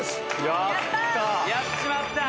やっちまった・